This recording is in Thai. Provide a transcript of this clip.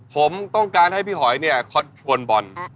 ผมต้องการให้พี่หอยเนี่ยคอตกวนบอล